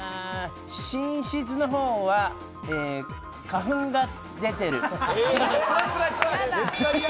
寝室の方は花粉が出てる。